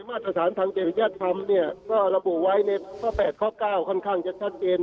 มาตรฐานทางจริยธรรมก็ระบุไว้ในเมื่อ๘๙ค่อนข้างจะชัดเจน